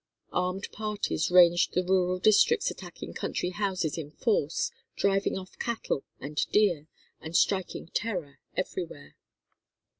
Armed parties ranged the rural districts attacking country houses in force, driving off cattle and deer, and striking terror everywhere.